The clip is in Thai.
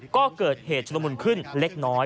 ก็เกิดเหตุชุดละมุนขึ้นเล็กน้อย